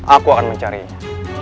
aku akan mencarinya